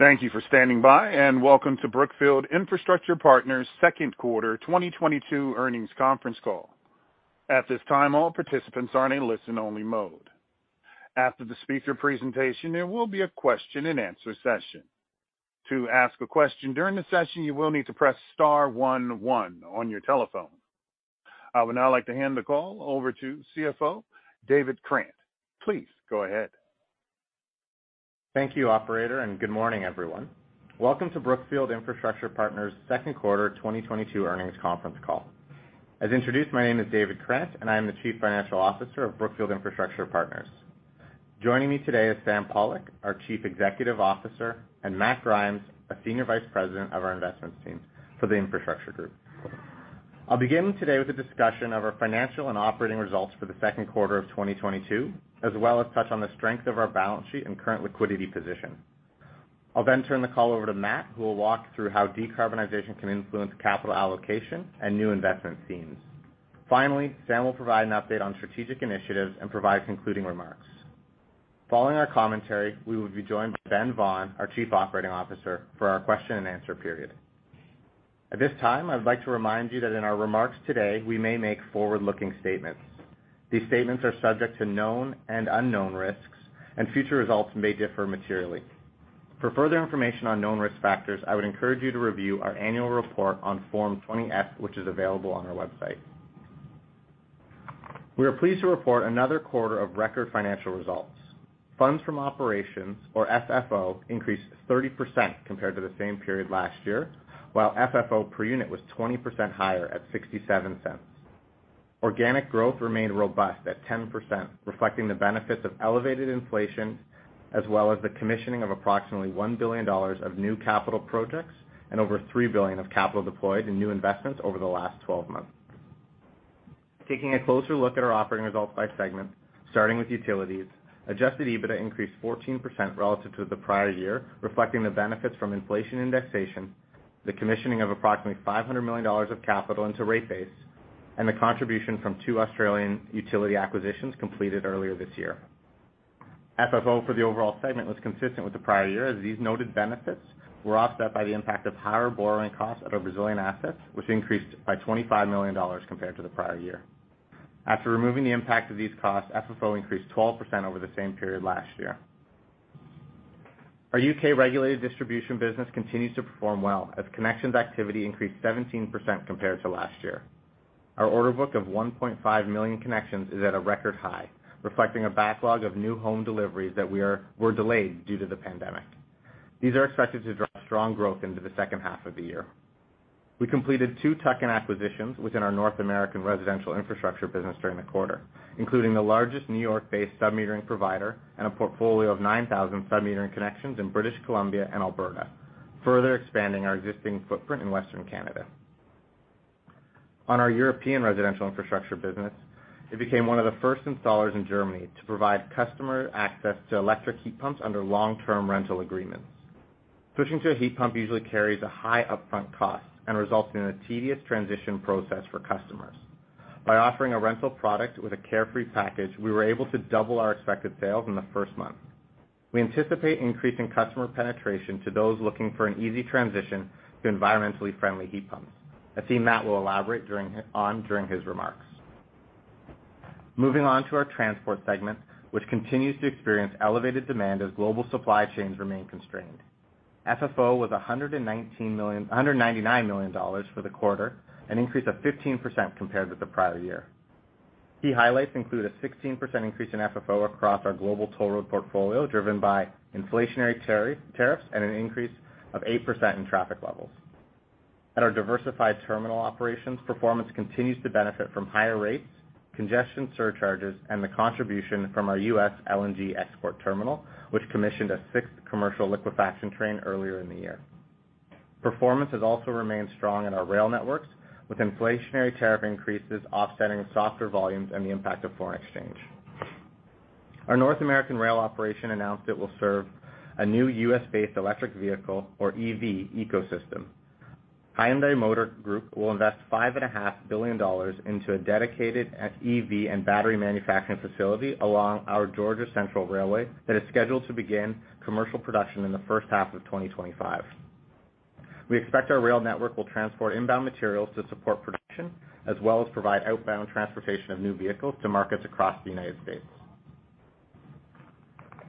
Thank you for standing by, and welcome to Brookfield Infrastructure Partners second quarter 2022 earnings conference call. At this time, all participants are in a listen-only mode. After the speaker presentation, there will be a question-and-answer session. To ask a question during the session, you will need to press star one one on your telephone. I would now like to hand the call over to CFO David Krant. Please go ahead. Thank you, operator, and good morning, everyone. Welcome to Brookfield Infrastructure Partners' second quarter 2022 earnings conference call. As introduced, my name is David Krant, and I am the Chief Financial Officer of Brookfield Infrastructure Partners. Joining me today is Sam Pollock, our Chief Executive Officer, and Matt Grimes, a Senior Vice President of our investments team for the infrastructure group. I'll begin today with a discussion of our financial and operating results for the second quarter of 2022, as well as touch on the strength of our balance sheet and current liquidity position. I'll then turn the call over to Matt, who will walk through how decarbonization can influence capital allocation and new investment themes. Finally, Sam will provide an update on strategic initiatives and provide concluding remarks. Following our commentary, we will be joined by Ben Vaughan, our Chief Operating Officer, for our question-and-answer period. At this time, I'd like to remind you that in our remarks today, we may make forward-looking statements. These statements are subject to known and unknown risks, and future results may differ materially. For further information on known risk factors, I would encourage you to review our annual report on Form 20-F, which is available on our website. We are pleased to report another quarter of record financial results. Funds from operations, or FFO, increased 30% compared to the same period last year, while FFO per unit was 20% higher at $0.67. Organic growth remained robust at 10%, reflecting the benefits of elevated inflation as well as the commissioning of approximately $1 billion of new capital projects and over $3 billion of capital deployed in new investments over the last 12 months. Taking a closer look at our operating results by segment, starting with utilities, Adjusted EBITDA increased 14% relative to the prior year, reflecting the benefits from inflation indexation, the commissioning of approximately $500 million of capital into rate base, and the contribution from two Australian utility acquisitions completed earlier this year. FFO for the overall segment was consistent with the prior year, as these noted benefits were offset by the impact of higher borrowing costs of our Brazilian assets, which increased by $25 million compared to the prior year. After removing the impact of these costs, FFO increased 12% over the same period last year. Our U.K. regulated distribution business continues to perform well, as connections activity increased 17% compared to last year. Our order book of 1.5 million connections is at a record high, reflecting a backlog of new home deliveries that were delayed due to the pandemic. These are expected to drive strong growth into the second half of the year. We completed two tuck-in acquisitions within our North American residential infrastructure business during the quarter, including the largest New York-based submetering provider and a portfolio of 9,000 submetering connections in British Columbia and Alberta, further expanding our existing footprint in Western Canada. On our European residential infrastructure business, it became one of the first installers in Germany to provide customer access to electric heat pumps under long-term rental agreements. Switching to a heat pump usually carries a high upfront cost and results in a tedious transition process for customers. By offering a rental product with a carefree package, we were able to double our expected sales in the first month. We anticipate increasing customer penetration to those looking for an easy transition to environmentally friendly heat pumps, a theme Matt will elaborate during his remarks. Moving on to our transport segment, which continues to experience elevated demand as global supply chains remain constrained. FFO was $199 million for the quarter, an increase of 15% compared with the prior year. Key highlights include a 16% increase in FFO across our global toll road portfolio, driven by inflationary tariffs and an increase of 8% in traffic levels. At our diversified terminal operations, performance continues to benefit from higher rates, congestion surcharges, and the contribution from our U.S. LNG export terminal, which commissioned a sixth commercial liquefaction train earlier in the year. Performance has also remained strong in our rail networks, with inflationary tariff increases offsetting softer volumes and the impact of foreign exchange. Our North American rail operation announced it will serve a new U.S.-based electric vehicle, or EV, ecosystem. Hyundai Motor Group will invest $5.5 billion into a dedicated EV and battery manufacturing facility along our Georgia Central Railway that is scheduled to begin commercial production in the first half of 2025. We expect our rail network will transport inbound materials to support production, as well as provide outbound transportation of new vehicles to markets across the United States.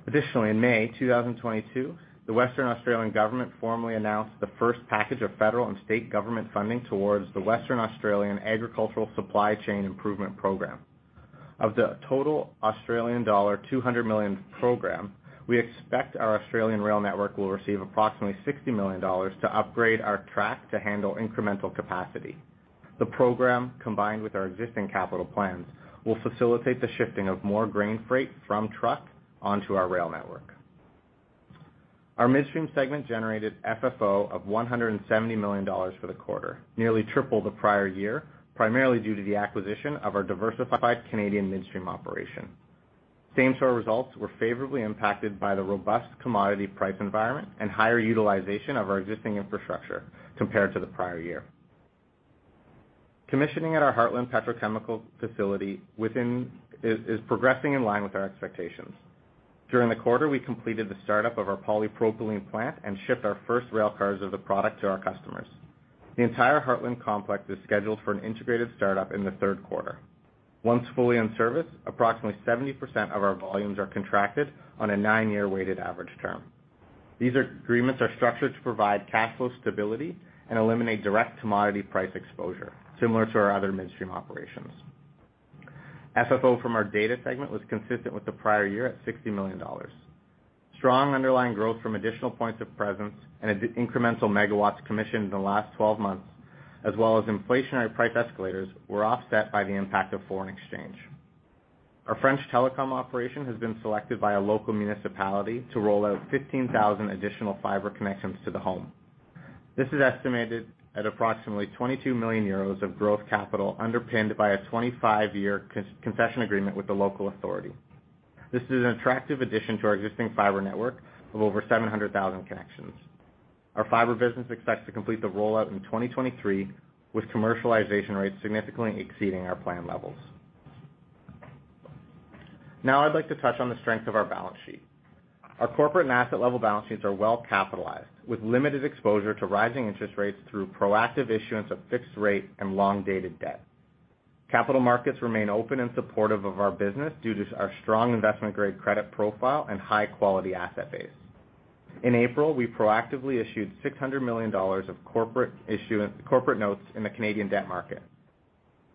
Additionally, in May 2022, the Western Australian Government formally announced the first package of federal and state government funding towards the Western Australian Agricultural Supply Chain Improvements program. Of the total Australian dollar 200 million program, we expect our Australian rail network will receive approximately 60 million dollars to upgrade our track to handle incremental capacity. The program, combined with our existing capital plans, will facilitate the shifting of more grain freight from truck onto our rail network. Our midstream segment generated FFO of $170 million for the quarter, nearly triple the prior year, primarily due to the acquisition of our diversified Canadian midstream operation. Same store results were favorably impacted by the robust commodity price environment and higher utilization of our existing infrastructure compared to the prior year. Commissioning at our Heartland Petrochemical facility is progressing in line with our expectations. During the quarter, we completed the startup of our polypropylene plant and shipped our first rail cars of the product to our customers. The entire Heartland Petrochemical Complex is scheduled for an integrated startup in the third quarter. Once fully in service, approximately 70% of our volumes are contracted on a nine-year weighted average term. These agreements are structured to provide cash flow stability and eliminate direct commodity price exposure, similar to our other midstream operations. FFO from our data segment was consistent with the prior year at $60 million. Strong underlying growth from additional points of presence and the incremental megawatts commissioned in the last 12 months, as well as inflationary price escalators, were offset by the impact of foreign exchange. Our French telecom operation has been selected by a local municipality to roll out 15,000 additional fiber connections to the home. This is estimated at approximately 22 million euros of growth capital underpinned by a 25-year concession agreement with the local authority. This is an attractive addition to our existing fiber network of over 700,000 connections. Our fiber business expects to complete the rollout in 2023, with commercialization rates significantly exceeding our plan levels. Now I'd like to touch on the strength of our balance sheet. Our corporate and asset level balance sheets are well capitalized, with limited exposure to rising interest rates through proactive issuance of fixed rate and long-dated debt. Capital markets remain open and supportive of our business due to our strong investment-grade credit profile and high-quality asset base. In April, we proactively issued 600 million dollars of corporate notes in the Canadian debt market.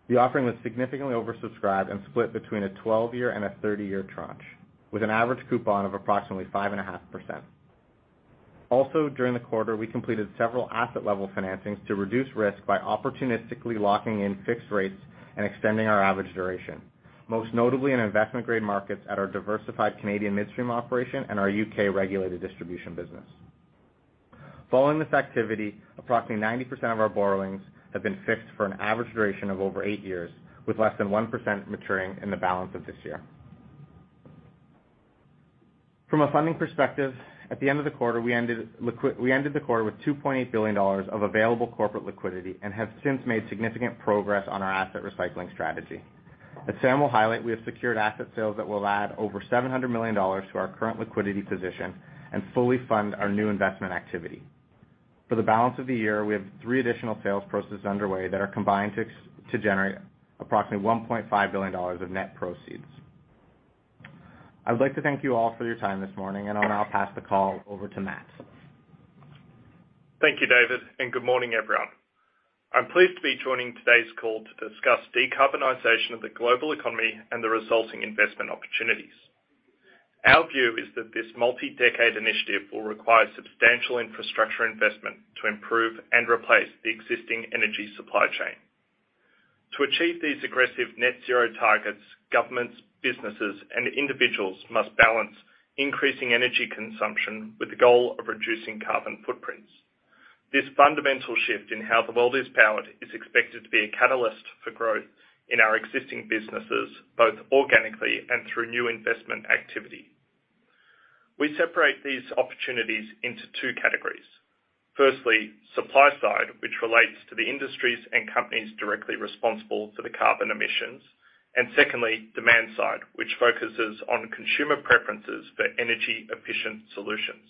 The offering was significantly oversubscribed and split between a 12-year and a 30-year tranche, with an average coupon of approximately 5.5%. During the quarter, we completed several asset level financings to reduce risk by opportunistically locking in fixed rates and extending our average duration, most notably in investment-grade markets at our diversified Canadian midstream operation and our U.K. regulated distribution business. Following this activity, approximately 90% of our borrowings have been fixed for an average duration of over eight years, with less than 1% maturing in the balance of this year. From a funding perspective, at the end of the quarter, we ended the quarter with $2.8 billion of available corporate liquidity and have since made significant progress on our asset recycling strategy. As Sam will highlight, we have secured asset sales that will add over $700 million to our current liquidity position and fully fund our new investment activity. For the balance of the year, we have three additional sales processes underway that are combined to generate approximately $1.5 billion of net proceeds. I would like to thank you all for your time this morning, and I'll now pass the call over to Matt. Thank you, David, and good morning, everyone. I'm pleased to be joining today's call to discuss decarbonization of the global economy and the resulting investment opportunities. Our view is that this multi-decade initiative will require substantial infrastructure investment to improve and replace the existing energy supply chain. To achieve these aggressive net zero targets, governments, businesses, and individuals must balance increasing energy consumption with the goal of reducing carbon footprints. This fundamental shift in how the world is powered is expected to be a catalyst for growth in our existing businesses, both organically and through new investment activity. We separate these opportunities into two categories. Firstly, supply side, which relates to the industries and companies directly responsible for the carbon emissions. Secondly, demand side, which focuses on consumer preferences for energy-efficient solutions.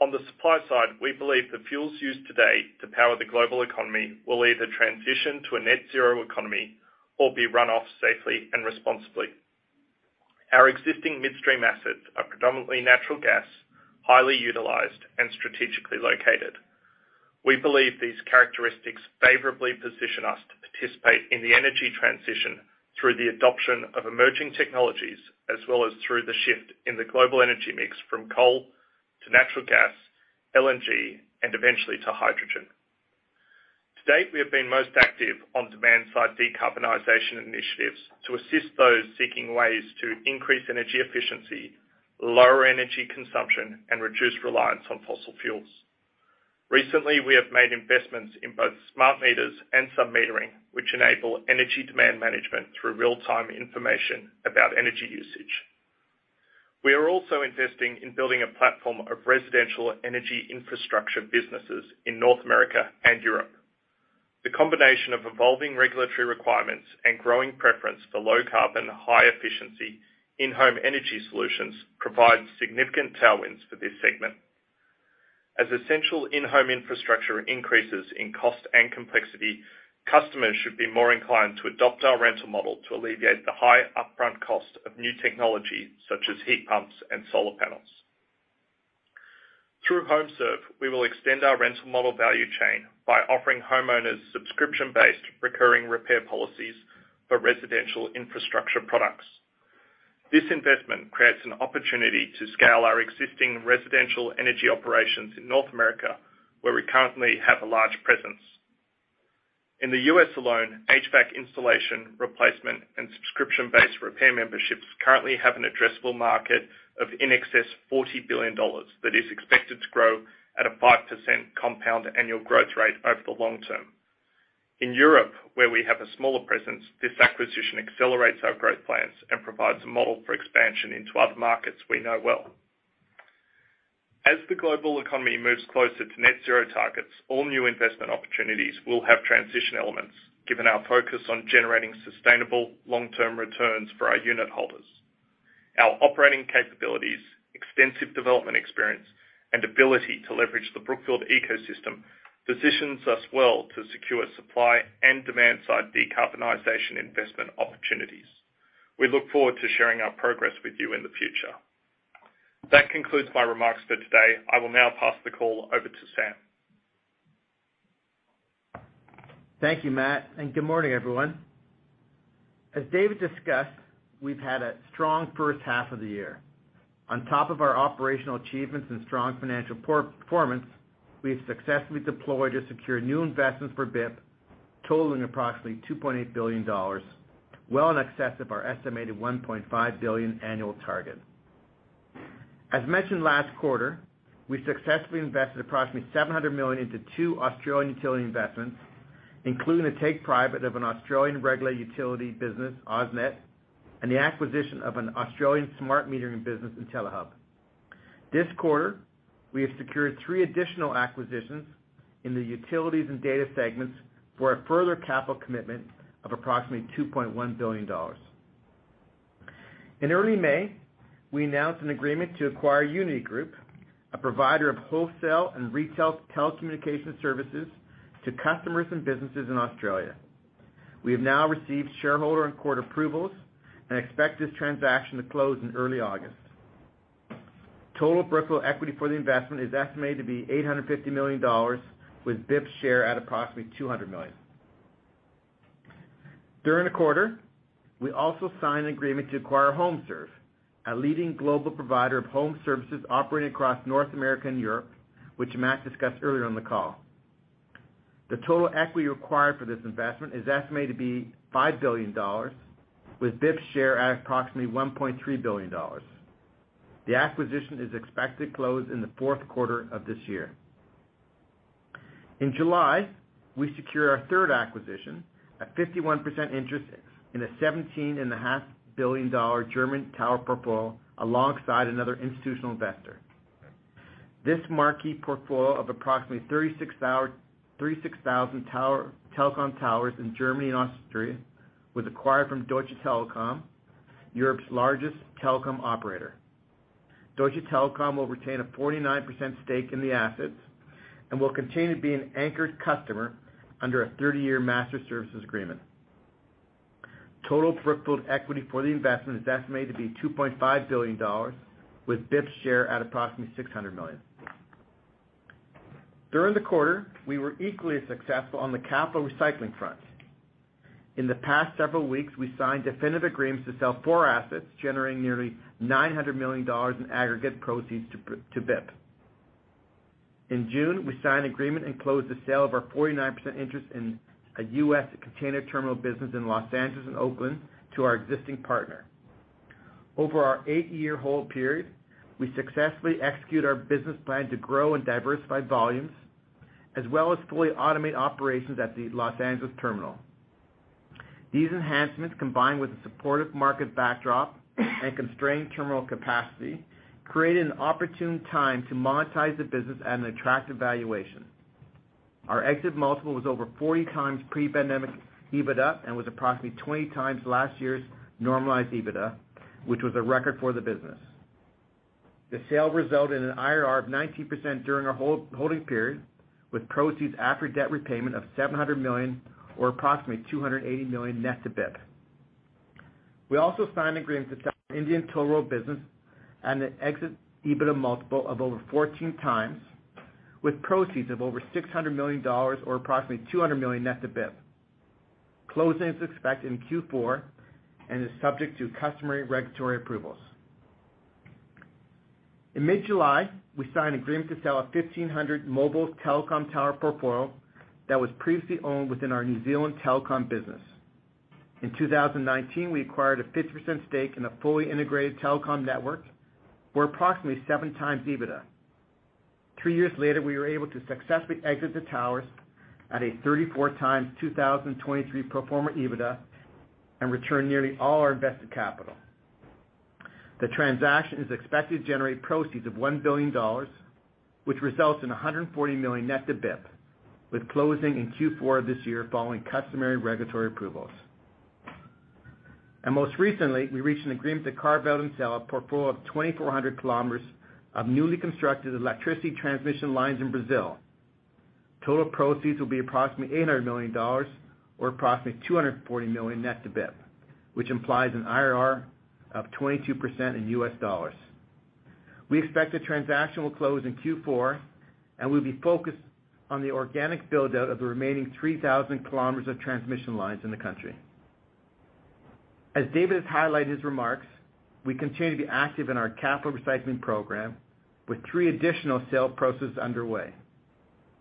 On the supply side, we believe the fuels used today to power the global economy will either transition to a net zero economy or be run off safely and responsibly. Our existing midstream assets are predominantly natural gas, highly utilized, and strategically located. We believe these characteristics favorably position us to participate in the energy transition through the adoption of emerging technologies as well as through the shift in the global energy mix from coal to natural gas, LNG, and eventually to hydrogen. To date, we have been most active on demand-side decarbonization initiatives to assist those seeking ways to increase energy efficiency, lower energy consumption, and reduce reliance on fossil fuels. Recently, we have made investments in both smart meters and sub-metering, which enable energy demand management through real-time information about energy usage. We are also investing in building a platform of residential energy infrastructure businesses in North America and Europe. The combination of evolving regulatory requirements and growing preference for low carbon, high efficiency in-home energy solutions provides significant tailwinds for this segment. As essential in-home infrastructure increases in cost and complexity, customers should be more inclined to adopt our rental model to alleviate the high upfront cost of new technology such as heat pumps and solar panels. Through HomeServe, we will extend our rental model value chain by offering homeowners subscription-based recurring repair policies for residential infrastructure products. This investment creates an opportunity to scale our existing residential energy operations in North America, where we currently have a large presence. In the U.S. alone, HVAC installation, replacement, and subscription-based repair memberships currently have an addressable market of in excess of $40 billion that is expected to grow at a 5% compound annual growth rate over the long term. In Europe, where we have a smaller presence, this acquisition accelerates our growth plans and provides a model for expansion into other markets we know well. As the global economy moves closer to net zero targets, all new investment opportunities will have transition elements, given our focus on generating sustainable long-term returns for our unit holders. Our operating capabilities, extensive development experience, and ability to leverage the Brookfield ecosystem positions us well to secure supply and demand-side decarbonization investment opportunities. We look forward to sharing our progress with you in the future. That concludes my remarks for today. I will now pass the call over to Sam. Thank you, Matt, and good morning, everyone. As David discussed, we've had a strong first half of the year. On top of our operational achievements and strong financial performance, we have successfully deployed to secure new investments for BIP, totaling approximately $2.8 billion, well in excess of our estimated $1.5 billion annual target. As mentioned last quarter, we successfully invested approximately $700 million into two Australian utility investments, including the take private of an Australian regulated utility business, AusNet, and the acquisition of an Australian smart metering business, Intellihub. This quarter, we have secured three additional acquisitions in the utilities and data segments for a further capital commitment of approximately $2.1 billion. In early May, we announced an agreement to acquire Uniti Group, a provider of wholesale and retail telecommunication services to customers and businesses in Australia. We have now received shareholder and court approvals and expect this transaction to close in early August. Total Brookfield equity for the investment is estimated to be $850 million, with BIP's share at approximately $200 million. During the quarter, we also signed an agreement to acquire HomeServe, a leading global provider of home services operating across North America and Europe, which Matt discussed earlier on the call. The total equity required for this investment is estimated to be $5 billion, with BIP's share at approximately $1.3 billion. The acquisition is expected to close in the fourth quarter of this year. In July, we secure our third acquisition, a 51% interest in a $17.5 billion German tower portfolio alongside another institutional investor. This marquee portfolio of approximately 36,000 telecom towers in Germany and Austria was acquired from Deutsche Telekom, Europe's largest telecom operator. Deutsche Telekom will retain a 49% stake in the assets and will continue to be an anchored customer under a 30-year master services agreement. Total Brookfield equity for the investment is estimated to be $2.5 billion, with BIP's share at approximately $600 million. During the quarter, we were equally as successful on the capital recycling front. In the past several weeks, we signed definitive agreements to sell four assets, generating nearly $900 million in aggregate proceeds to BIP. In June, we signed an agreement and closed the sale of our 49% interest in a U.S. container terminal business in Los Angeles and Oakland to our existing partner. Over our eight-year hold period, we successfully execute our business plan to grow and diversify volumes, as well as fully automate operations at the Los Angeles terminal. These enhancements, combined with the supportive market backdrop and constrained terminal capacity, created an opportune time to monetize the business at an attractive valuation. Our exit multiple was over 40x pre-pandemic EBITDA and was approximately 20x last year's normalized EBITDA, which was a record for the business. The sale resulted in an IRR of 19% during our hold period, with proceeds after debt repayment of $700 million or approximately $280 million net to BIP. We also signed an agreement to sell Indian toll road business and an exit EBITDA multiple of over 14x with proceeds of over $600 million or approximately $200 million net to BIP. Closing is expected in Q4 and is subject to customary regulatory approvals. In mid-July, we signed an agreement to sell a 1,500 mobile telecom tower portfolio that was previously owned within our New Zealand telecom business. In 2019, we acquired a 50% stake in a fully integrated telecom network for approximately 7x EBITDA. Three years later, we were able to successfully exit the towers at a 34x 2023 pro forma EBITDA and return nearly all our invested capital. The transaction is expected to generate proceeds of $1 billion, which results in $140 million net to BIP, with closing in Q4 of this year following customary regulatory approvals. Most recently, we reached an agreement to carve out and sell a portfolio of 2,400 kilometers of newly constructed electricity transmission lines in Brazil. Total proceeds will be approximately $800 million or approximately $240 million net to BIP, which implies an IRR of 22% in U.S. dollars. We expect the transaction will close in Q4, and we'll be focused on the organic build-out of the remaining 3,000 kilometers of transmission lines in the country. As David highlighted in his remarks, we continue to be active in our capital recycling program with three additional sale processes underway.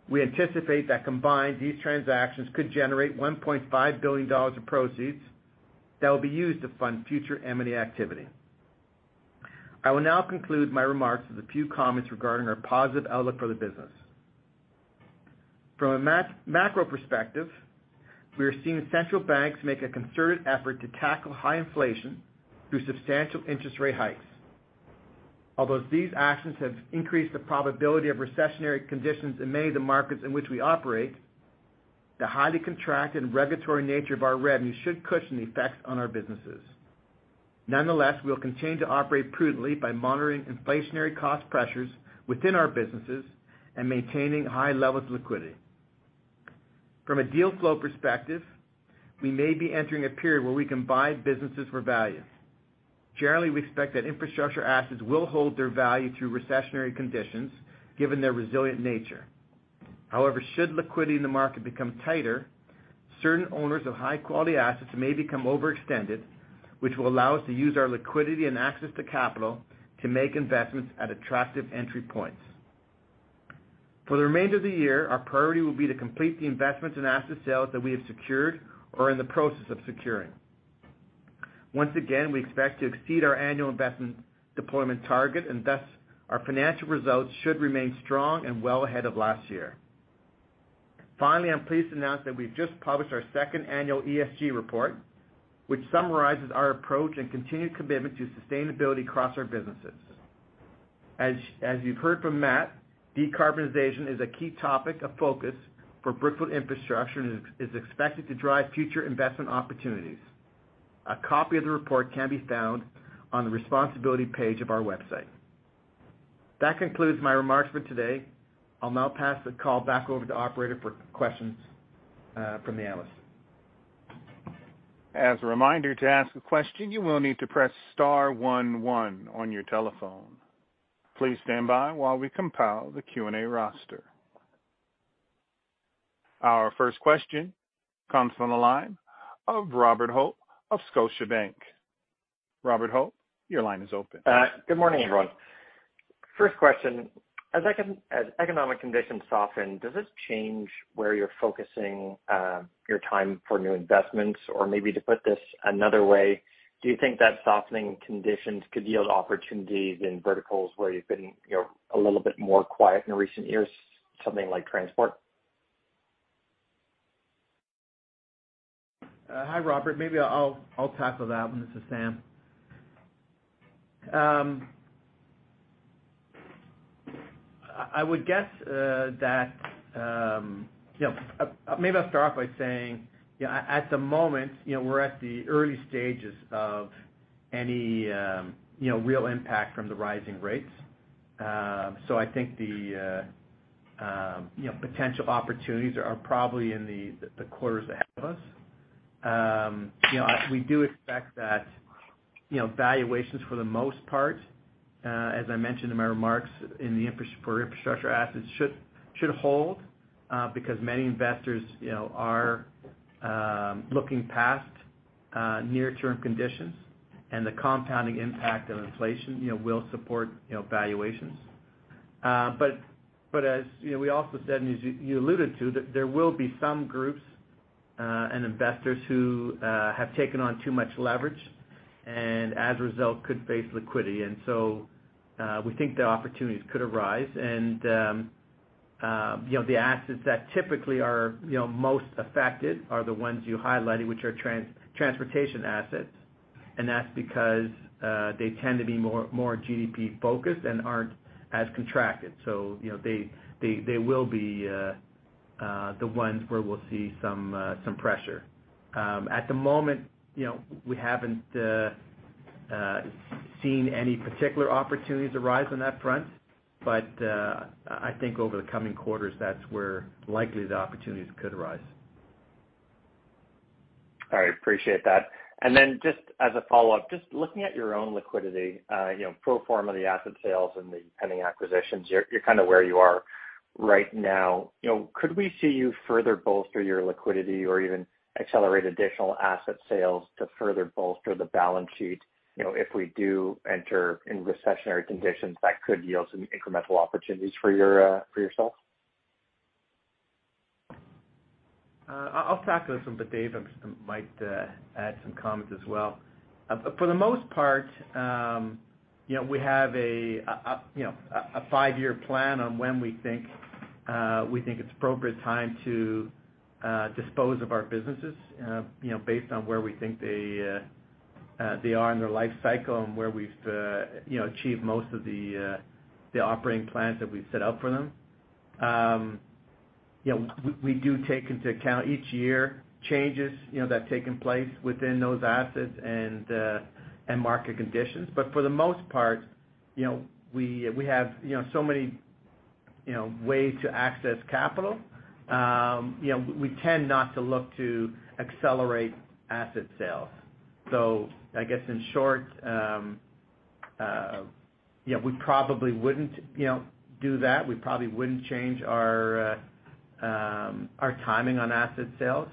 We anticipate that combined, these transactions could generate $1.5 billion in proceeds that will be used to fund future M&A activity. I will now conclude my remarks with a few comments regarding our positive outlook for the business. From a macro perspective, we are seeing central banks make a concerted effort to tackle high inflation through substantial interest rate hikes. Although these actions have increased the probability of recessionary conditions in many of the markets in which we operate, the highly contracted regulatory nature of our revenue should cushion the effects on our businesses. Nonetheless, we'll continue to operate prudently by monitoring inflationary cost pressures within our businesses and maintaining high levels of liquidity. From a deal flow perspective, we may be entering a period where we can buy businesses for value. Generally, we expect that infrastructure assets will hold their value through recessionary conditions given their resilient nature. However, should liquidity in the market become tighter, certain owners of high-quality assets may become overextended, which will allow us to use our liquidity and access to capital to make investments at attractive entry points. For the remainder of the year, our priority will be to complete the investments and asset sales that we have secured or are in the process of securing. Once again, we expect to exceed our annual investment deployment target, and thus, our financial results should remain strong and well ahead of last year. Finally, I'm pleased to announce that we've just published our second annual ESG report, which summarizes our approach and continued commitment to sustainability across our businesses. As you've heard from Matt, decarbonization is a key topic of focus for Brookfield Infrastructure and is expected to drive future investment opportunities. A copy of the report can be found on the responsibility page of our website. That concludes my remarks for today. I'll now pass the call back over to the operator for questions from the analysts. As a reminder, to ask a question, you will need to press star one one on your telephone. Please stand by while we compile the Q&A roster. Our first question comes from the line of Robert Hope of Scotiabank. Robert Hope, your line is open. Good morning, everyone. First question. As economic conditions soften, does this change where you're focusing your time for new investments? Or maybe to put this another way, do you think that softening conditions could yield opportunities in verticals where you've been, you know, a little bit more quiet in recent years, something like transport? Hi, Robert. Maybe I'll tackle that one. This is Sam. I would guess that, you know. Maybe I'll start off by saying, you know, at the moment, you know, we're at the early stages of any real impact from the rising rates. I think the potential opportunities are probably in the quarters ahead of us. You know, we do expect that, you know, valuations for the most part, as I mentioned in my remarks for infrastructure assets should hold, because many investors, you know, are looking past near-term conditions and the compounding impact of inflation, you know, will support, you know, valuations. As you know, we also said, and as you alluded to, that there will be some groups and investors who have taken on too much leverage and as a result could face liquidity. We think the opportunities could arise and, you know, the assets that typically are, you know, most affected are the ones you highlighted, which are transportation assets. That's because they tend to be more GDP-focused and aren't as contracted. You know, they will be the ones where we'll see some pressure. At the moment, you know, we haven't seen any particular opportunities arise on that front. I think over the coming quarters, that's where likely the opportunities could arise. All right. Appreciate that. Just as a follow-up, just looking at your own liquidity, you know, pro forma of the asset sales and the pending acquisitions, you're kind of where you are right now. You know, could we see you further bolster your liquidity or even accelerate additional asset sales to further bolster the balance sheet, you know, if we do enter in recessionary conditions that could yield some incremental opportunities for your, for yourself? I'll tackle this one, but Dave might add some comments as well. For the most part, you know, we have a five-year plan on when we think it's appropriate time to dispose of our businesses, you know, based on where we think they are in their life cycle and where we've, you know, achieved most of the operating plans that we've set up for them. You know, we do take into account each year changes that have taken place within those assets and market conditions. For the most part, you know, we have so many ways to access capital. You know, we tend not to look to accelerate asset sales. I guess in short, you know, we probably wouldn't, you know, do that. We probably wouldn't change our timing on asset sales.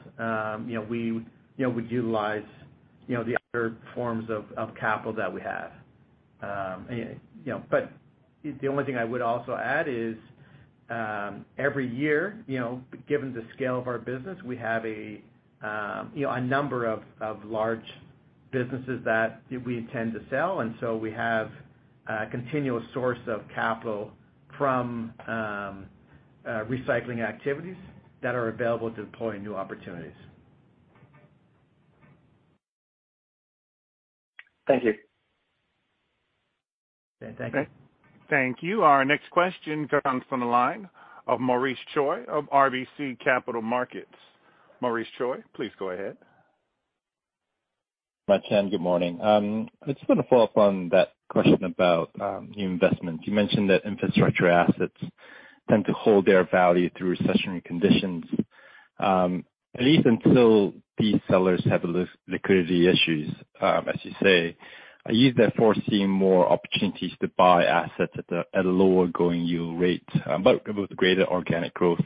You know, we would utilize, you know, the other forms of capital that we have. The only thing I would also add is, every year, you know, given the scale of our business, we have a number of large businesses that we intend to sell, and so we have a continuous source of capital from recycling activities that are available to deploy new opportunities. Thank you. Okay. Thank you. Thank you. Our next question comes from the line of Maurice Choy of RBC Capital Markets. Maurice Choy, please go ahead. Thanks so much, and good morning. I just want to follow up on that question about new investments. You mentioned that infrastructure assets tend to hold their value through recessionary conditions. At least until these sellers have liquidity issues, as you say, are you therefore seeing more opportunities to buy assets at a lower going yield rate, but with greater organic growth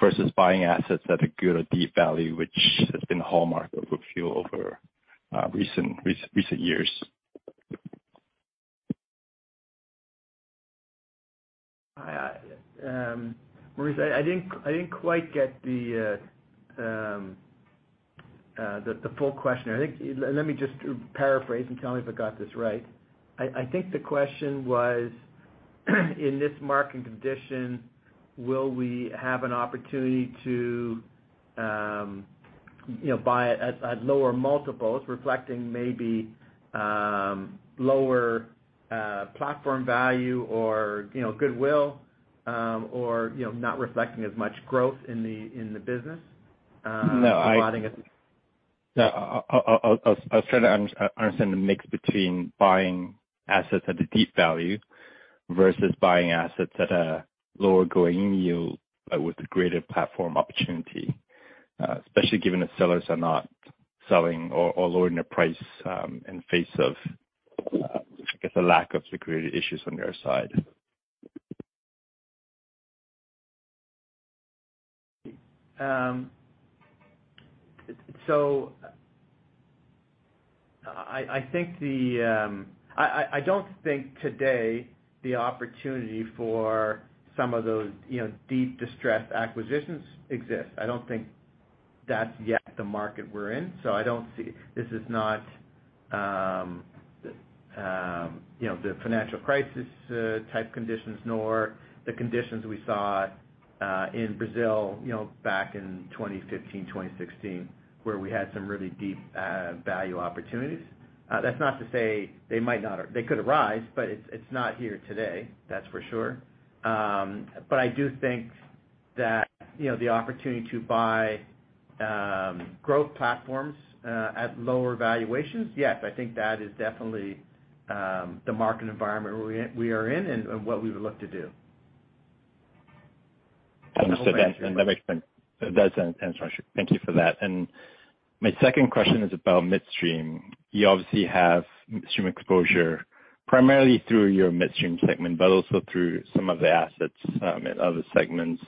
versus buying assets at a good or deep value, which has been the hallmark of Brookfield over recent years? Maurice, I didn't quite get the full question. I think—let me just paraphrase and tell me if I got this right. I think the question was, in this market condition, will we have an opportunity to, you know, buy at lower multiples reflecting maybe lower platform value or, you know, goodwill, or, you know, not reflecting as much growth in the business... No, I- providing us- No, I was trying to understand the mix between buying assets at a deep value versus buying assets at a lower going yield, with a greater platform opportunity, especially given that sellers are not selling or lowering their price, in face of, I guess, the lack of liquidity issues on their side. I don't think today the opportunity for some of those, you know, deep distressed acquisitions exist. I don't think that's yet the market we're in. I don't see. This is not, you know, the financial crisis type conditions nor the conditions we saw in Brazil, you know, back in 2015, 2016, where we had some really deep value opportunities. That's not to say they might not or they could arise, but it's not here today, that's for sure. I do think that, you know, the opportunity to buy growth platforms at lower valuations, yes, I think that is definitely the market environment we are in and what we would look to do. That makes sense. That does answer my question. Thank you for that. My second question is about midstream. You obviously have midstream exposure primarily through your midstream segment, but also through some of the assets, in other segments,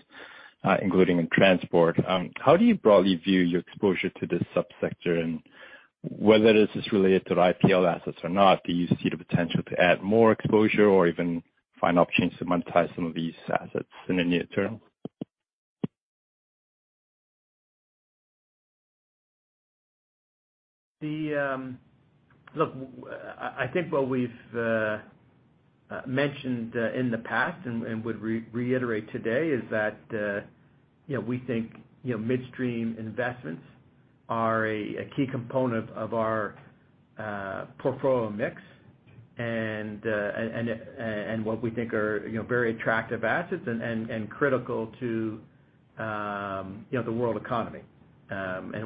including in transport. How do you broadly view your exposure to this sub-sector and whether this is related to the IPL assets or not? Do you see the potential to add more exposure or even find opportunities to monetize some of these assets in the near term? Look, I think what we've mentioned in the past and would reiterate today is that, you know, we think, you know, midstream investments are a key component of our portfolio mix and what we think are, you know, very attractive assets and critical to, you know, the world economy.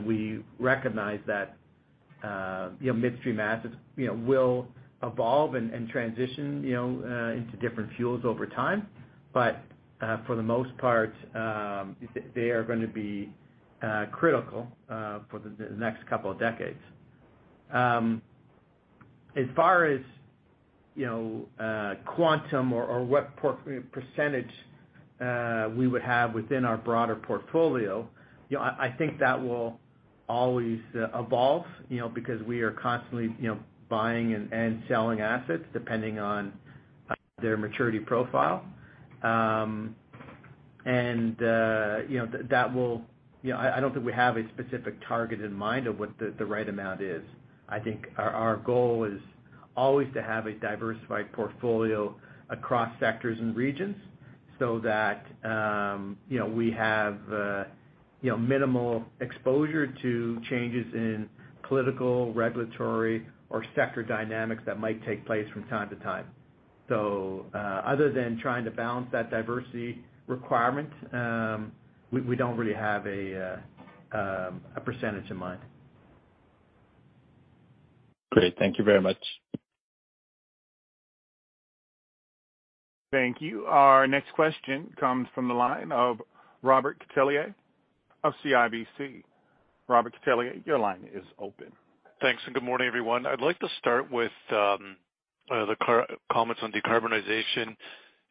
We recognize that, you know, midstream assets, you know, will evolve and transition, you know, into different fuels over time. For the most part, they are gonna be critical for the next couple of decades. As far as you know, Quantum or what percentage we would have within our broader portfolio, you know, I think that will always evolve, you know, because we are constantly, you know, buying and selling assets depending on their maturity profile. I don't think we have a specific target in mind of what the right amount is. I think our goal is always to have a diversified portfolio across sectors and regions so that, you know, we have, you know, minimal exposure to changes in political, regulatory or sector dynamics that might take place from time to time. Other than trying to balance that diversity requirement, we don't really have a percentage in mind. Great. Thank you very much. Thank you. Our next question comes from the line of Robert Catellier of CIBC. Robert Catellier, your line is open. Thanks and good morning, everyone. I'd like to start with the comments on decarbonization,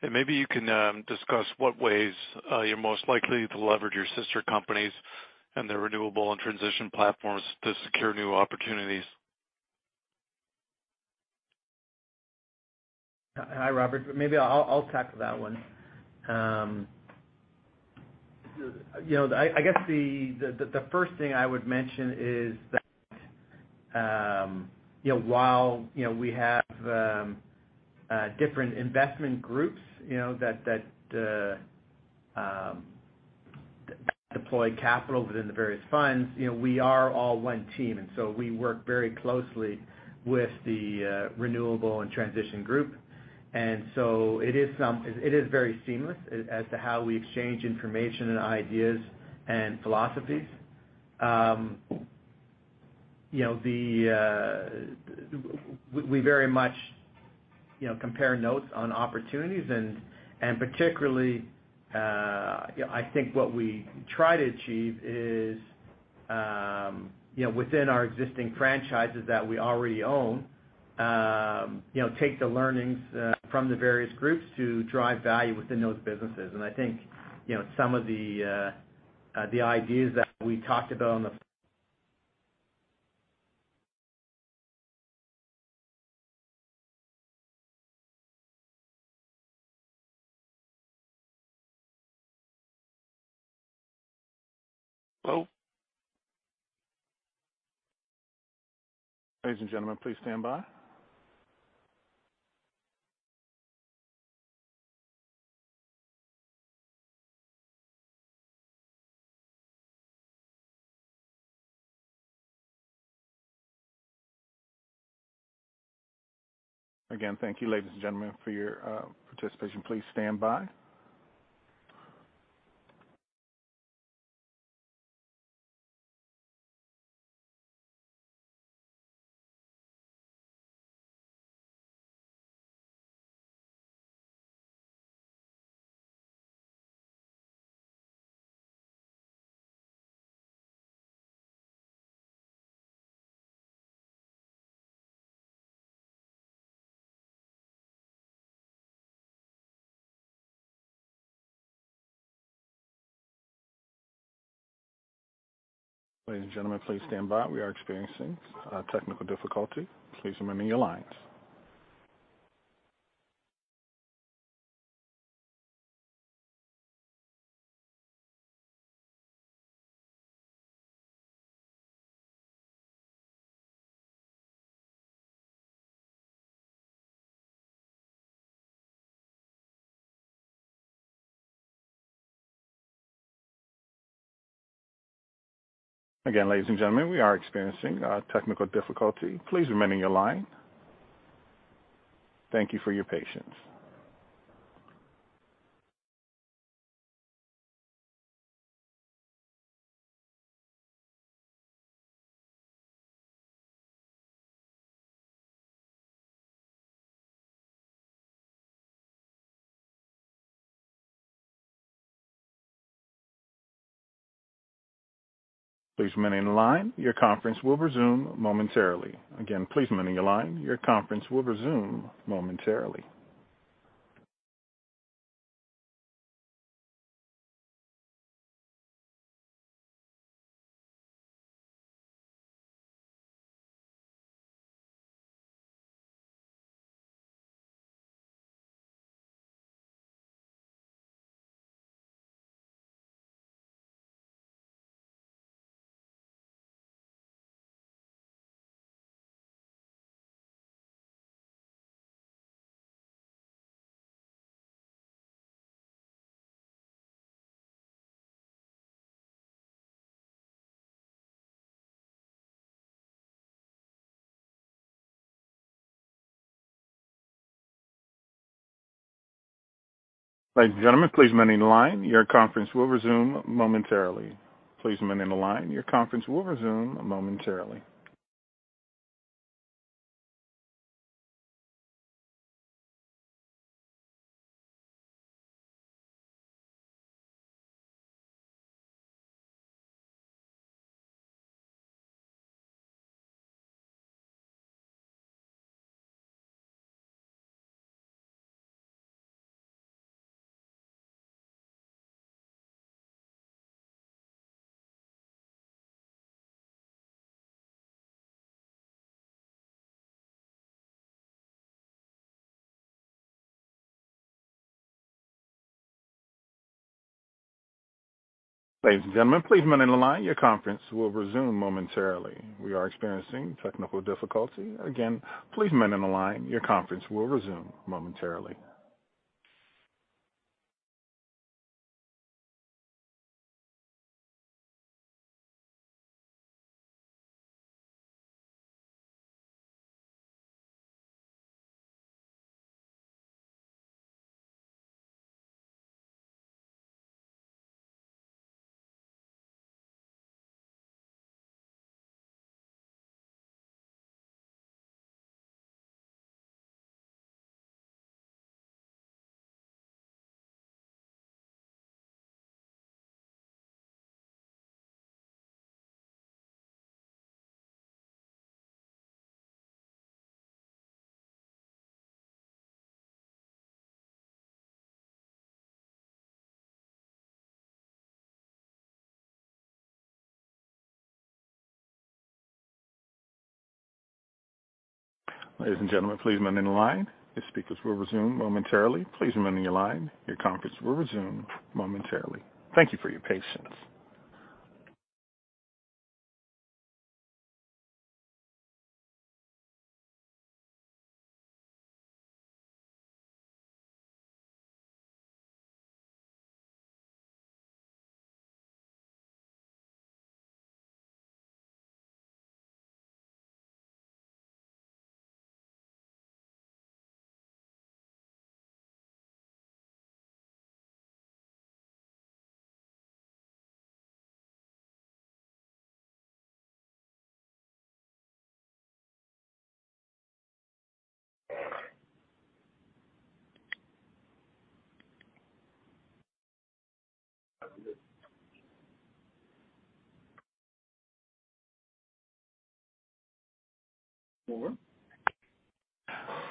and maybe you can discuss what ways you're most likely to leverage your sister companies and their renewable and transition platforms to secure new opportunities. Hi, Robert. Maybe I'll tackle that one. You know, I guess the first thing I would mention is that, you know, while, you know, we have different investment groups that deploy capital within the various funds, you know, we are all one team, and so we work very closely with the renewable and transition group. It is very seamless as to how we exchange information and ideas and philosophies. You know, we very much, you know, compare notes on opportunities and particularly, you know, I think what we try to achieve is, you know, within our existing franchises that we already own, you know, take the learnings from the various groups to drive value within those businesses. I think, you know, some of the ideas that we talked about on the Hello? Ladies and gentlemen, please stand by. Again, thank you, ladies and gentlemen, for your participation. Please stand by. Ladies and gentlemen, please stand by. We are experiencing technical difficulty. Please remain in your lines. Again, ladies and gentlemen, we are experiencing a technical difficulty. Please remain in your line. Thank you for your patience. Please remain in the line. Your conference will resume momentarily. Again, please remain in the line. Your conference will resume momentarily.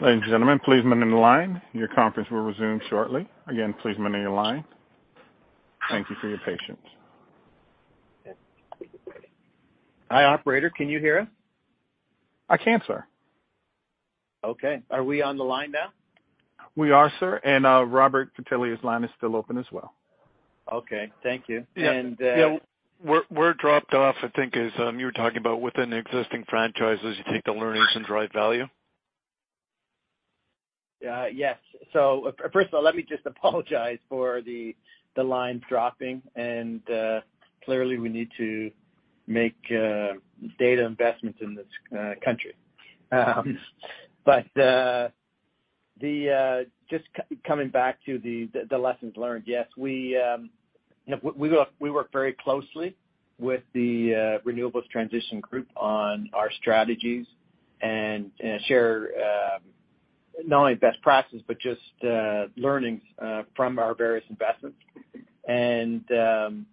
Ladies and gentlemen, please remain in the line. Your conference will resume shortly. Again, please remain in the line. Thank you for your patience. Hi, operator, can you hear us? I can, sir. Okay. Are we on the line now? We are, sir. Robert Catellier's line is still open as well. Okay. Thank you. Yeah. Where it dropped off, I think, is you were talking about within the existing franchises, you take the learnings and drive value. Yes. First of all, let me just apologize for the line dropping, and clearly, we need to make data investments in this country. Coming back to the lessons learned. Yes, you know, we work very closely with the renewables transition group on our strategies and share not only best practices, but just learnings from our various investments. You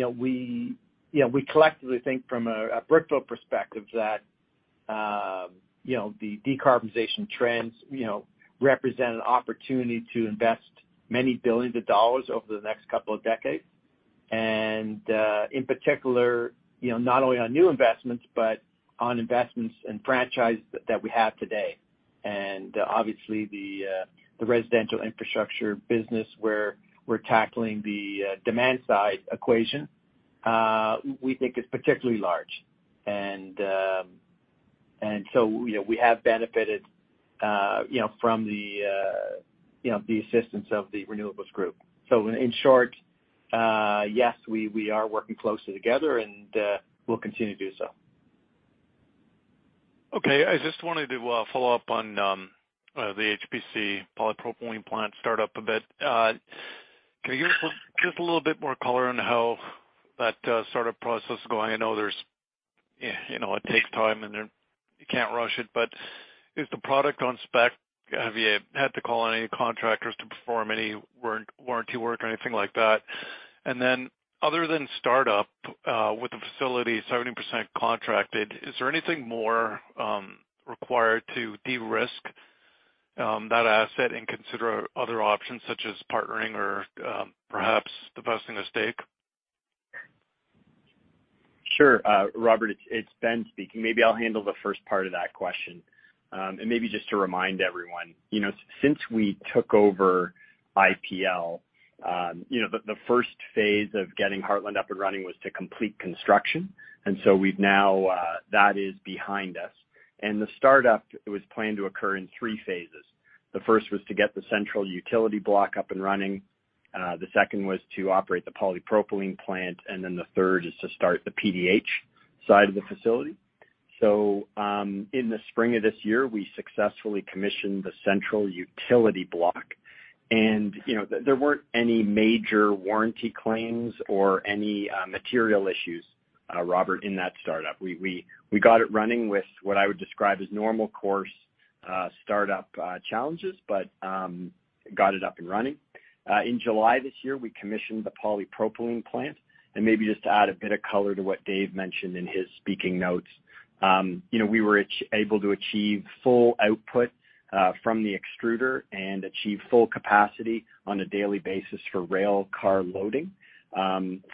know, we collectively think from a Brookfield perspective that you know, the decarbonization trends you know, represent an opportunity to invest many billions of dollars over the next couple of decades. In particular, you know, not only on new investments, but on investments and franchise that we have today. Obviously, the residential infrastructure business where we're tackling the demand side equation, we think is particularly large. You know, we have benefited, you know, from the, you know, the assistance of the renewables group. In short, yes, we are working closely together, and we'll continue to do so. Okay. I just wanted to follow up on the HPC polypropylene plant startup a bit. Can you give just a little bit more color on how that startup process is going? I know you know it takes time and you can't rush it, but is the product on spec? Have you had to call on any contractors to perform any warranty work or anything like that? Then other than startup, with the facility 70% contracted, is there anything more required to de-risk that asset and consider other options such as partnering or perhaps divesting a stake? Sure. Robert, it's Ben speaking. Maybe I'll handle the first part of that question. Maybe just to remind everyone, you know, since we took over IPL, you know, the first phase of getting Heartland up and running was to complete construction. We've now, that is behind us. The startup was planned to occur in three phases. The first was to get the central utility block up and running. The second was to operate the polypropylene plant, and then the third is to start the PDH side of the facility. In the spring of this year, we successfully commissioned the central utility block. You know, there weren't any major warranty claims or any material issues, Robert, in that startup. We got it running with what I would describe as normal course startup challenges, but got it up and running. In July this year, we commissioned the polypropylene plant. Maybe just to add a bit of color to what David mentioned in his speaking notes, you know, we were able to achieve full output from the extruder and achieve full capacity on a daily basis for rail car loading.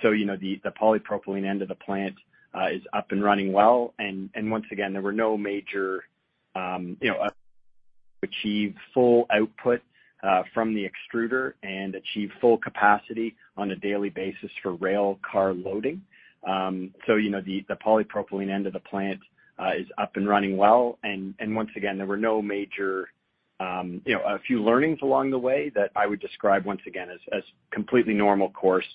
So, you know, the polypropylene end of the plant is up and running well. Once again, there were no major you know achieve full output from the extruder and achieve full capacity on a daily basis for rail car loading. So, you know, the polypropylene end of the plant is up and running well. Once again, there were no major, you know, a few learnings along the way that I would describe once again as completely normal course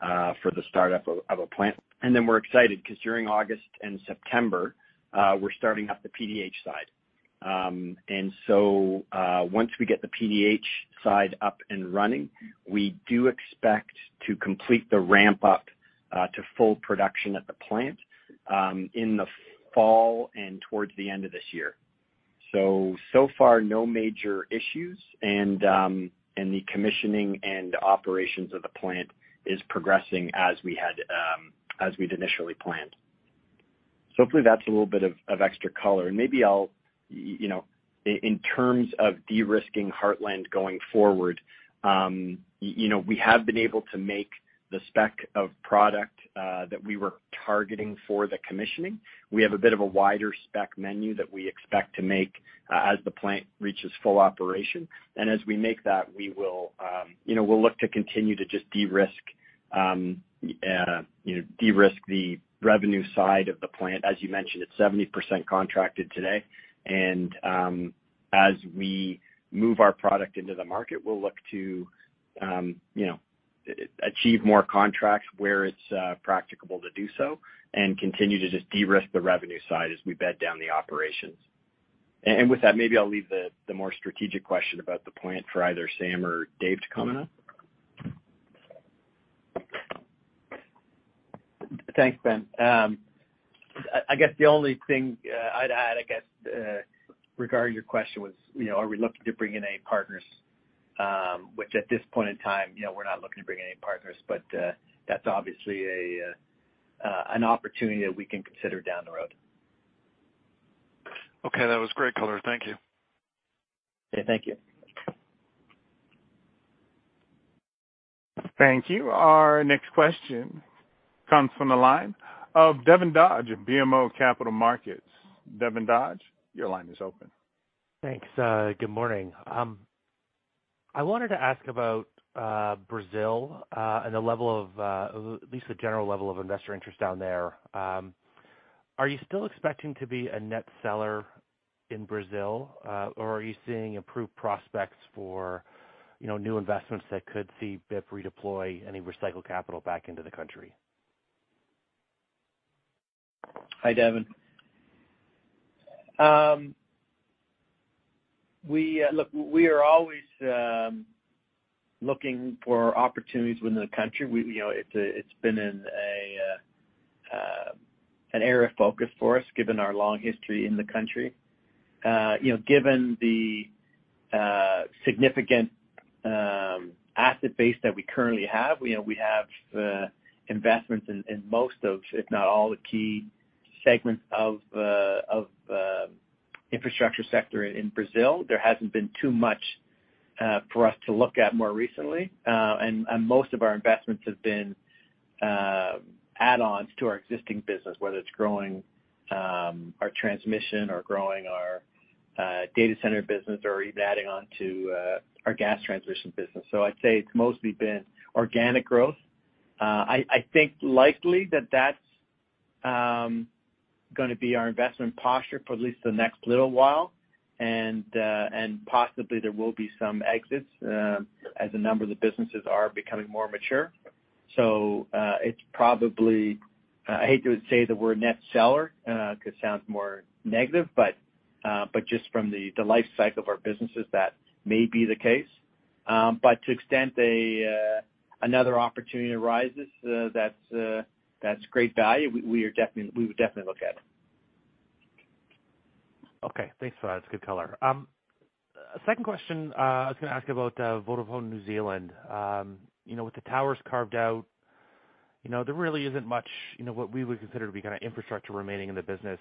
for the startup of a plant. We're excited 'cause during August and September, we're starting up the PDH side. Once we get the PDH side up and running, we do expect to complete the ramp up to full production at the plant in the fall and towards the end of this year. So far, no major issues, and the commissioning and operations of the plant is progressing as we had, as we'd initially planned. Hopefully, that's a little bit of extra color. Maybe you know, in terms of de-risking Heartland going forward, you know, we have been able to make the spec of product that we were targeting for the commissioning. We have a bit of a wider spec menu that we expect to make as the plant reaches full operation. As we make that, we will, you know, we'll look to continue to just de-risk the revenue side of the plant. As you mentioned, it's 70% contracted today. As we move our product into the market, we'll look to, you know, achieve more contracts where it's practicable to do so and continue to just de-risk the revenue side as we bed down the operations. with that, maybe I'll leave the more strategic question about the plant for either Sam or David to comment on. Thanks, Ben. I guess the only thing I'd add, I guess, regarding your question was, you know, are we looking to bring in any partners? Which at this point in time, you know, we're not looking to bring any partners, but that's obviously an opportunity that we can consider down the road. Okay. That was great color. Thank you. Okay. Thank you. Thank you. Our next question comes from the line of Devin Dodge of BMO Capital Markets. Devin Dodge, your line is open. Thanks. Good morning. I wanted to ask about Brazil and the level of at least the general level of investor interest down there. Are you still expecting to be a net seller in Brazil or are you seeing improved prospects for, you know, new investments that could see BIP deploy any recycled capital back into the country? Hi, Devin. Look, we are always looking for opportunities within the country. You know, it's been in an area of focus for us, given our long history in the country. You know, given the significant asset base that we currently have, you know, we have investments in most of, if not all, the key segments of infrastructure sector in Brazil. There hasn't been too much for us to look at more recently. Most of our investments have been add-ons to our existing business, whether it's growing our transmission or growing our data center business or even adding on to our gas transmission business. I'd say it's mostly been organic growth. I think likely that that's gonna be our investment posture for at least the next little while. And possibly there will be some exits as a number of the businesses are becoming more mature. It's probably. I hate to say the word net seller because it sounds more negative, but just from the life cycle of our businesses, that may be the case. But to the extent another opportunity arises that's great value, we would definitely look at. Okay. Thanks for that. It's good color. Second question, I was gonna ask you about One New Zealand. You know, with the towers carved out, you know, there really isn't much, you know, what we would consider to be kinda infrastructure remaining in the business.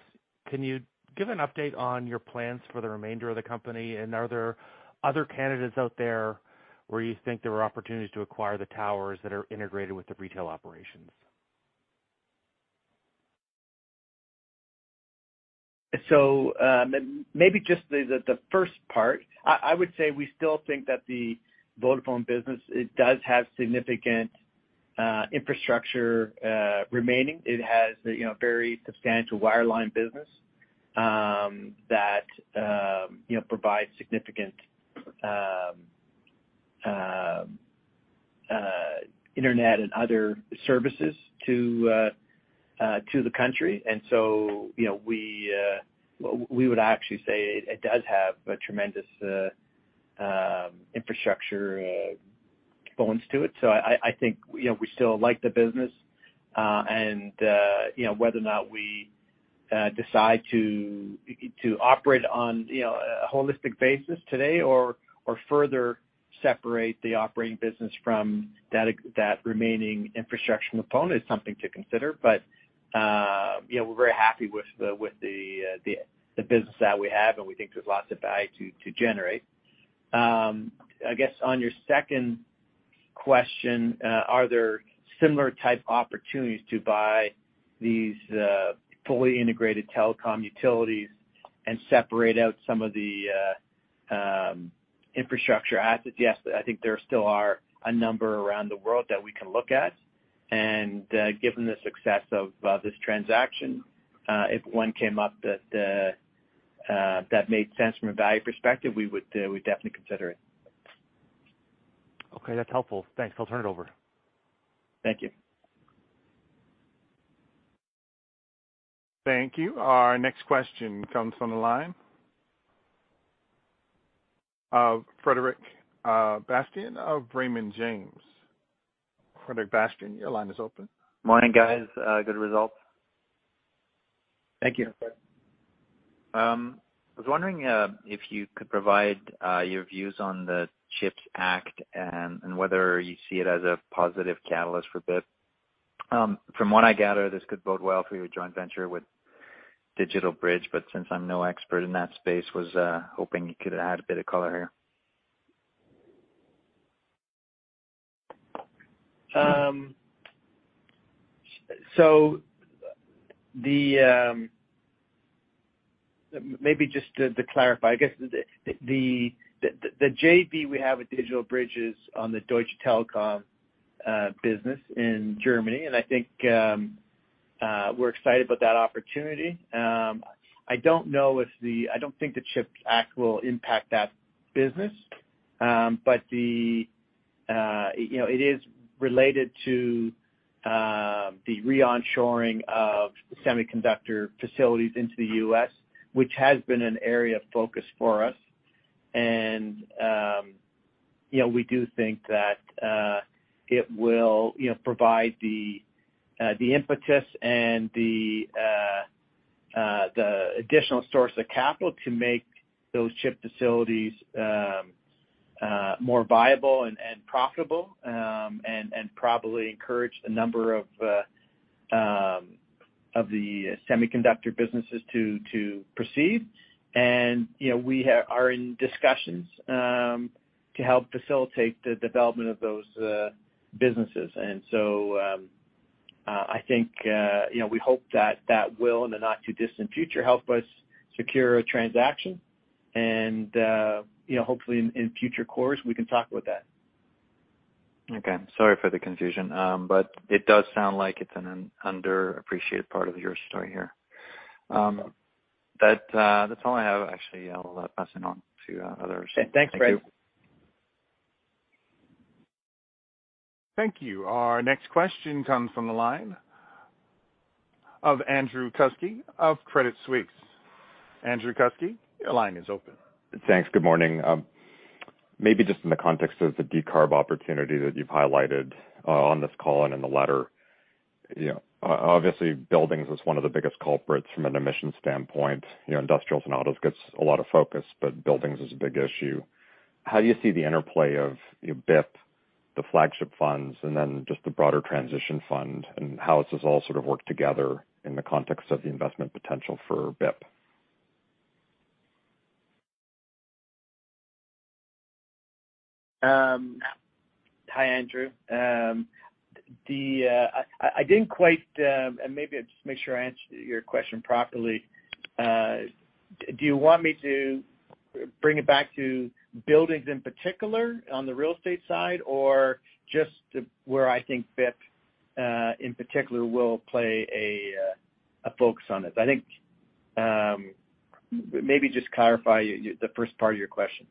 Can you give an update on your plans for the remainder of the company? And are there other candidates out there where you think there are opportunities to acquire the towers that are integrated with the retail operations? Maybe just the first part. I would say we still think that the Vodafone business does have significant infrastructure remaining. It has a very substantial wireline business that provides significant internet and other services to the country. You know, we would actually say it does have a tremendous infrastructure components to it. I think you know, we still like the business and you know, whether or not we decide to operate on a holistic basis today or further separate the operating business from that remaining infrastructure component is something to consider. You know, we're very happy with the business that we have, and we think there's lots of value to generate. I guess on your second question, are there similar type opportunities to buy these fully integrated telecom utilities and separate out some of the infrastructure assets? Yes, I think there still are a number around the world that we can look at. Given the success of this transaction, if one came up that made sense from a value perspective, we'd definitely consider it. Okay. That's helpful. Thanks. I'll turn it over. Thank you. Thank you. Our next question comes from the line of Frederic Bastien of Raymond James. Frederic Bastien, your line is open. Morning, guys. Good results. Thank you. I was wondering if you could provide your views on the CHIPS Act and whether you see it as a positive catalyst for BIP? From what I gather, this could bode well for your joint venture with DigitalBridge. Since I'm no expert in that space, hoping you could add a bit of color here. Maybe just to clarify. I guess the JV we have with DigitalBridge is on the Deutsche Telekom business in Germany, and I think we're excited about that opportunity. I don't think the CHIPS Act will impact that business. You know, it is related to the re-onshoring of semiconductor facilities into the U.S., which has been an area of focus for us. You know, we do think that it will, you know, provide the impetus and the additional source of capital to make those chip facilities more viable and profitable, and probably encourage the number of the semiconductor businesses to proceed. You know, we are in discussions to help facilitate the development of those businesses. I think, you know, we hope that will, in the not too distant future, help us secure a transaction. You know, hopefully in future course, we can talk about that. Okay. Sorry for the confusion. It does sound like it's an underappreciated part of your story here. That's all I have actually. I'll pass it on to others. Thanks, Fred. Thank you. Thank you. Our next question comes from the line of Andrew Kuske of Credit Suisse. Andrew Kuske, your line is open. Thanks. Good morning. Maybe just in the context of the decarb opportunity that you've highlighted on this call and in the letter. You know, obviously, buildings is one of the biggest culprits from an emissions standpoint. You know, industrials and autos gets a lot of focus, but buildings is a big issue. How do you see the interplay of your BIP, the flagship funds, and then just the broader transition fund, and how this is all sort of worked together in the context of the investment potential for BIP? Hi, Andrew. Maybe I just make sure I answer your question properly. Do you want me to bring it back to buildings in particular on the real estate side or just where I think BIP in particular will play a focus on this? I think maybe just clarify the first part of your question.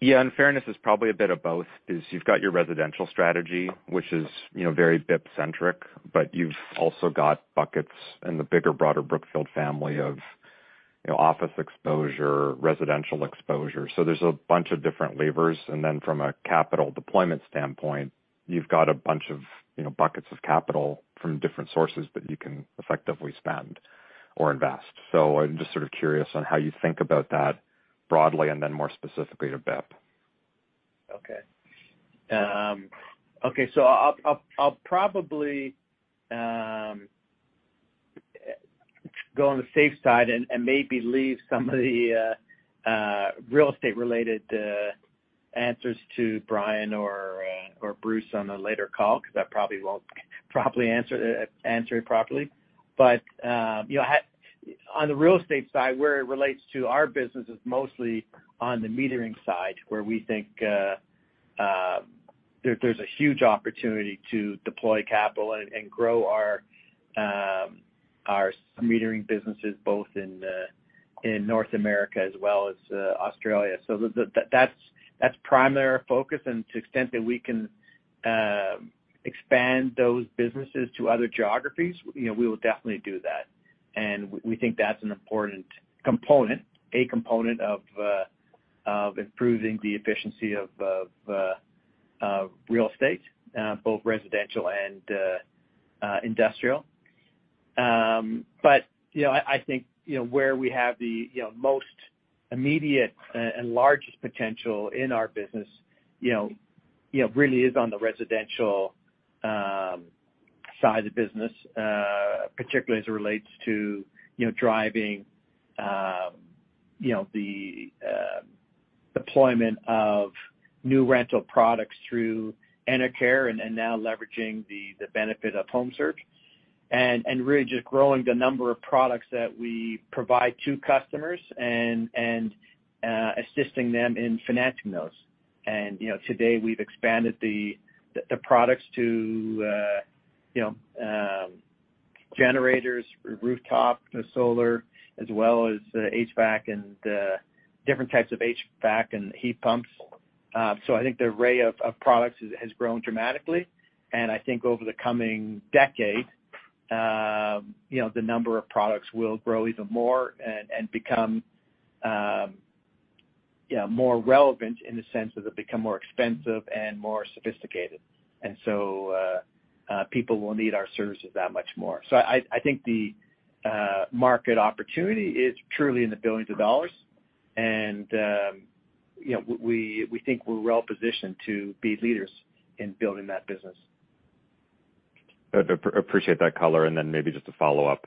Yeah. In fairness, it's probably a bit of both, is you've got your residential strategy, which is, you know, very BIP centric, but you've also got buckets in the bigger, broader Brookfield family of, you know, office exposure, residential exposure. There's a bunch of different levers. Then from a capital deployment standpoint, you've got a bunch of, you know, buckets of capital from different sources that you can effectively spend or invest. I'm just sort of curious on how you think about that broadly and then more specifically to BIP. I'll probably go on the safe side and maybe leave some of the real estate related answers to Brian or Bruce on a later call, because I probably won't properly answer it properly. You know, on the real estate side, where it relates to our business is mostly on the metering side, where we think there's a huge opportunity to deploy capital and grow our metering businesses both in North America as well as Australia. That's primarily our focus. To the extent that we can expand those businesses to other geographies, you know, we will definitely do that. We think that's an important component of improving the efficiency of real estate, both residential and industrial. You know, I think where we have the most immediate and largest potential in our business, you know, really is on the residential side of the business, particularly as it relates to driving the deployment of new rental products through Enercare and now leveraging the benefit of HomeServe. Really just growing the number of products that we provide to customers and assisting them in financing those. You know, today we've expanded the products to generators, rooftop solar, as well as HVAC and different types of HVAC and heat pumps. I think the array of products has grown dramatically. I think over the coming decade, you know, the number of products will grow even more and become, you know, more relevant in the sense that they become more expensive and more sophisticated. People will need our services that much more. I think the market opportunity is truly in the billions of dollars. You know, we think we're well positioned to be leaders in building that business. Appreciate that color. Maybe just a follow-up.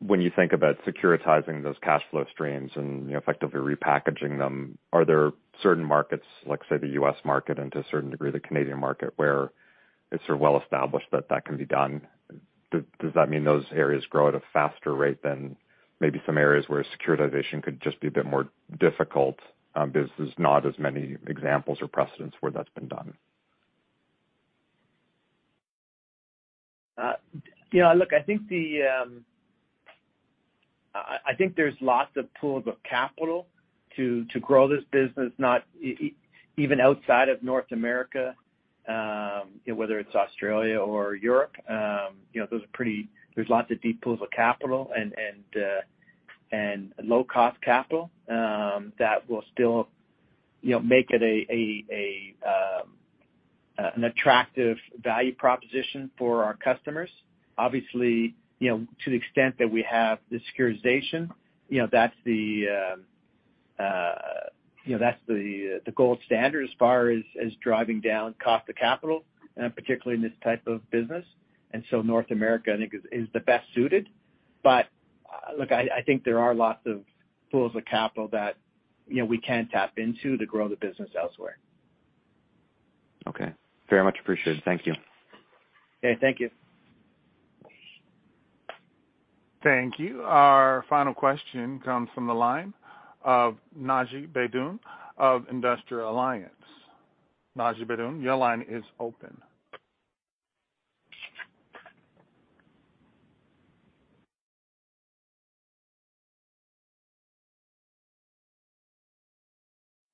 When you think about securitizing those cash flow streams and, you know, effectively repackaging them, are there certain markets, like, say, the U.S. market and to a certain degree the Canadian market, where it's sort of well established that that can be done? Does that mean those areas grow at a faster rate than maybe some areas where securitization could just be a bit more difficult, because there's not as many examples or precedents where that's been done? I think there's lots of pools of capital to grow this business, not even outside of North America, you know, whether it's Australia or Europe, you know, those are pretty deep pools of capital and low-cost capital that will still, you know, make it an attractive value proposition for our customers. Obviously, you know, to the extent that we have the securitization, you know, that's the gold standard as far as driving down cost of capital, particularly in this type of business. North America, I think, is the best suited. Look, I think there are lots of pools of capital that, you know, we can tap into to grow the business elsewhere. Okay. Very much appreciated. Thank you. Okay, thank you. Thank you. Our final question comes from the line of Naji Baydoun of Industrial Alliance. Naji Baydoun, your line is open.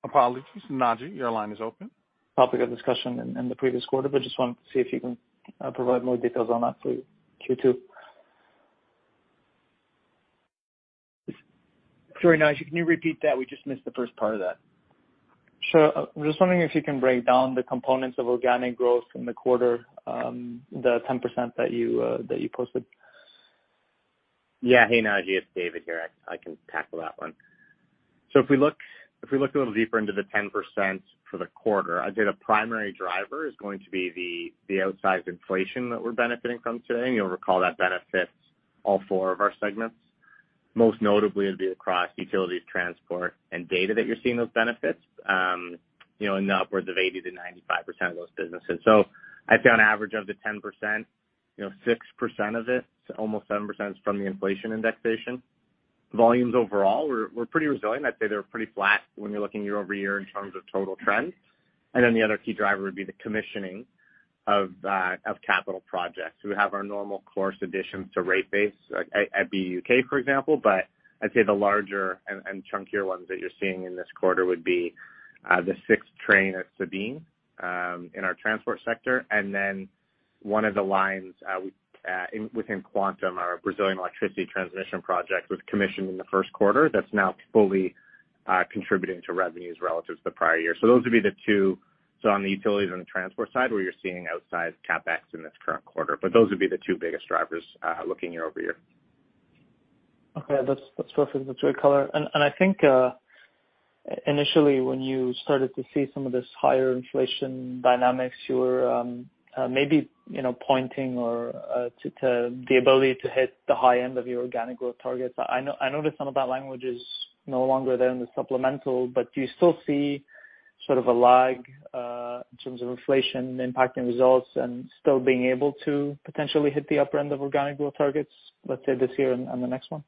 Apologies. Naji, your line is open. Topic of discussion in the previous quarter, but just wanted to see if you can provide more details on that for Q2. Sorry, Naji, can you repeat that? We just missed the first part of that. Sure. I'm just wondering if you can break down the components of organic growth in the quarter, the 10% that you posted? Yeah. Hey, Naji, it's David here. I can tackle that one. If we look a little deeper into the 10% for the quarter, I'd say the primary driver is going to be the outsized inflation that we're benefiting from today. You'll recall that benefits all four of our segments. Most notably, it'd be across utilities, transport, and data that you're seeing those benefits, you know, in upwards of 80%-95% of those businesses. I'd say on average of the 10%, you know, 6% of it to almost 7% is from the inflation indexation. Volumes overall were pretty resilient. I'd say they're pretty flat when you're looking year-over-year in terms of total trends. Then the other key driver would be the commissioning of capital projects. We have our normal course additions to rate base at the U.K., for example. I'd say the larger and chunkier ones that you're seeing in this quarter would be the sixth train at Sabine in our transport sector, and then one of the lines within Quantum, our Brazilian electricity transmission project, was commissioned in the first quarter. That's now fully contributing to revenues relative to the prior year. Those would be the two. On the utilities and the transport side where you're seeing outsized CapEx in this current quarter. Those would be the two biggest drivers looking year-over-year. Okay. That's perfect. That's great color. I think initially, when you started to see some of this higher inflation dynamics, you were maybe pointing to the ability to hit the high end of your organic growth targets. I know I noticed some of that language is no longer there in the supplemental, but do you still see sort of a lag in terms of inflation impacting results and still being able to potentially hit the upper end of organic growth targets, let's say this year and the next one?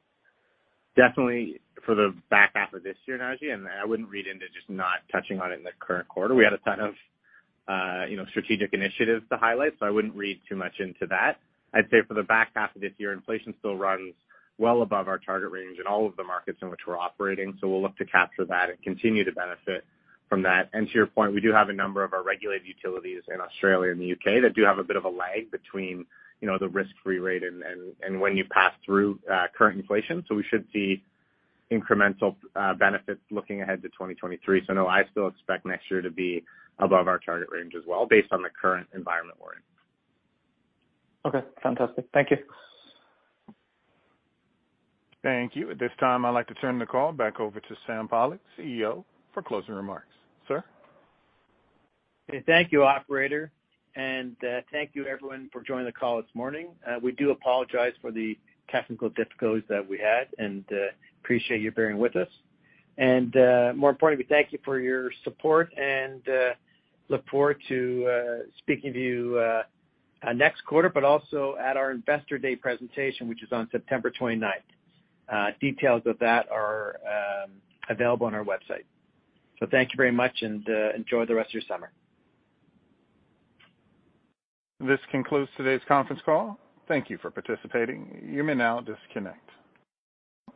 Definitely for the back half of this year, Naji, and I wouldn't read into just not touching on it in the current quarter. We had a ton of, you know, strategic initiatives to highlight, so I wouldn't read too much into that. I'd say for the back half of this year, inflation still runs well above our target range in all of the markets in which we're operating, so we'll look to capture that and continue to benefit from that. To your point, we do have a number of our regulated utilities in Australia and the U.K. that do have a bit of a lag between, you know, the risk-free rate and when you pass through current inflation. We should see incremental benefits looking ahead to 2023. No, I still expect next year to be above our target range as well based on the current environment we're in. Okay. Fantastic. Thank you. Thank you. At this time, I'd like to turn the call back over to Sam Pollock, CEO, for closing remarks. Sir. Okay. Thank you, operator, and thank you everyone for joining the call this morning. We do apologize for the technical difficulties that we had, and appreciate you bearing with us. More importantly, we thank you for your support and look forward to speaking to you next quarter, but also at our Investor Day presentation, which is on September twenty-ninth. Details of that are available on our website. Thank you very much and enjoy the rest of your summer. This concludes today's conference call. Thank you for participating. You may now disconnect.